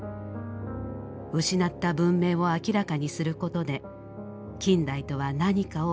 失った文明を明らかにすることで近代とは何かを問うたのです。